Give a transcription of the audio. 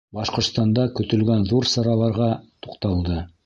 Башҡортостанда көтөлгән ҙур сараларға туҡталды.